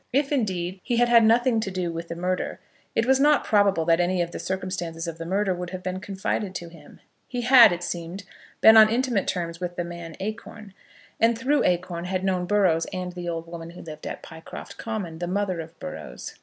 If, indeed, he had had nothing to do with the murder, it was not probable that any of the circumstances of the murder would have been confided to him. He had, it seemed, been on intimate terms with the man Acorn, and, through Acorn, had known Burrows and the old woman who lived at Pycroft Common, the mother of Burrows.